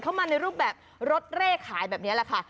เข้ามาในรูปแบบรถเร่ขายแบบนี้แหละค่ะ